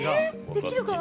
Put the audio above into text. できるかな！？